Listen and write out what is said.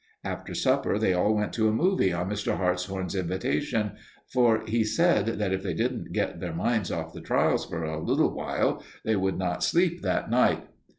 After supper they all went to a movie on Mr. Hartshorn's invitation, for he said that if they didn't get their minds off the trials for a little while they would not sleep that night.